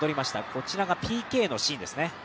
こちらがＰＫのシーンですね。